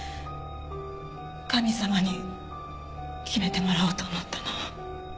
神様に決めてもらおうと思ったの。